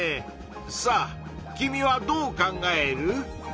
さあ君はどう考える？